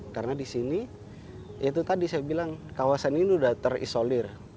karena di sini itu tadi saya bilang kawasan ini udah terisolir